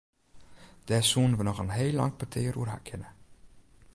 Dêr soenen we noch in heel lang petear oer ha kinne.